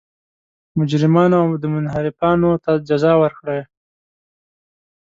مجرمانو او منحرفانو ته جزا ورکړي.